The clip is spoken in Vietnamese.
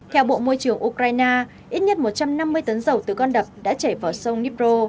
theo bộ môi trường ukraine ít nhất một trăm năm mươi tấn dầu từ con đập đã chảy vào sông nipro